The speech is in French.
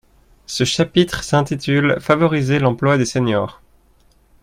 Ce chapitre s’intitule Favoriser l’emploi des seniors.